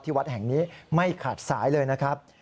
วัดแห่งนี้ไม่ขาดสายเลยนะครับ